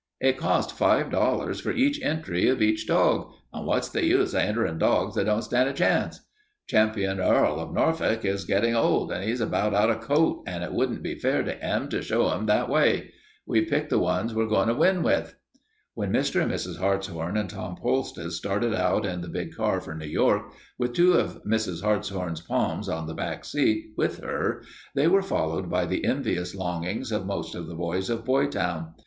"It costs five dollars for each entry of each dog, and wot's the use of entering dogs that don't stand a chance? Ch. Earl of Norfolk is getting old and 'e's all out of coat, and it wouldn't be fair to 'im to show 'im that way. We've picked the ones we're going to win with." When Mr. and Mrs. Hartshorn and Tom Poultice started out in the big car for New York, with two of Mrs. Hartshorn's Poms on the back seat with her, they were followed by the envious longings of most of the boys of Boytown.